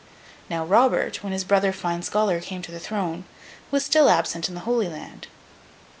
Now Robert, when his brother Fine Scholar came to the throne, was still absent in the Holy Land.